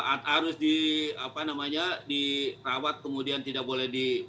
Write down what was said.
atau harus di apa namanya di rawat kemudian tidak boleh di